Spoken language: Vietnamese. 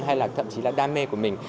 hay là thậm chí là đam mê của mình